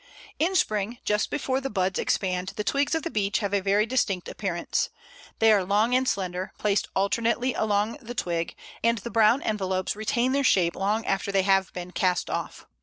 In spring, just before the buds expand, the twigs of the Beech have a very distinct appearance. They are long and slender, placed alternately along the twig, and the brown envelopes retain their shape long after they have been cast off.